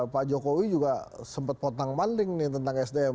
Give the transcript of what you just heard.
pak jokowi juga sempat potang manding nih tentang sdm